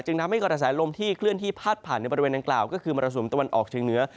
ทำให้กระแสลมที่เคลื่อนที่พาดผ่านในบริเวณดังกล่าวก็คือมรสุมตะวันออกเชียงเหนือ